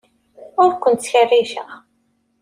Ur ken-ttkerriceɣ.